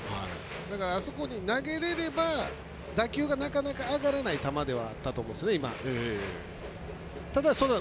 だからあそこに投げれれば打球が、なかなか上がらない球ではあったと思いますね、今は。